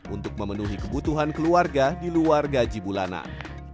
untuk memenuhi kebutuhan keluarga di luar gaji bulanan